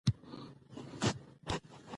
د ولایتونو لپاره دپرمختیا پروګرامونه شته دي.